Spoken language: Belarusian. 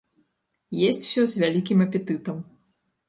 Есць усё з вялікім апетытам.